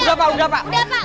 udah pak udah pak